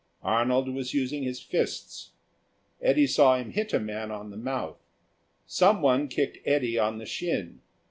Arnold was using his fists. Eddy saw him hit a man on the mouth. Someone kicked Eddy on the shin.